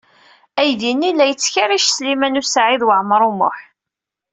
Aydi-nni la yettkerric Sliman U Saɛid Waɛmaṛ U Muḥ.